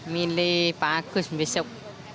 milih pak agus besok